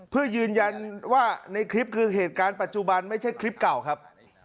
เพื่อยืนยันว่าในคลิปคือเหตุการณ์ปัจจุบันไม่ใช่คลิปเก่าครับ